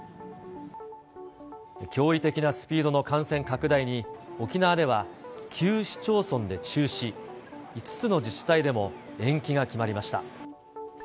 驚異的なスピードの感染拡大に、沖縄では９市町村で中止、５つの自治体でも延期が決まりました。